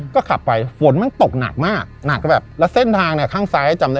ก็ขับไปฝนมันตกหนักมากหนักก็แบบแล้วเส้นทางเนี่ยข้างซ้ายจำได้